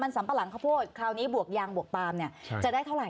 มันสำประหลังข้าวโพดคราวนี้บวกยางบวกตามจะได้เท่าไหร่